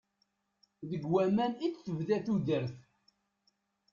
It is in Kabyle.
Deg waman i d-tebda tudert.